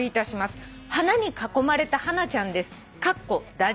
「花に囲まれたハナちゃんです。」